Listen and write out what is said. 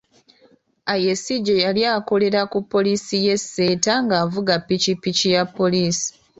Ayesigye yali akolera ku poliisi y'e Seeta ng'avuga Pikipiki ya poliisi.